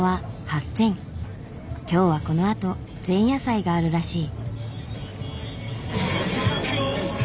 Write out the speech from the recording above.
今日はこのあと前夜祭があるらしい。